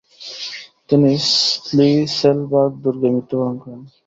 তিনি শ্লিসেলবার্গ দুর্গে মৃত্যুবরণ করেন।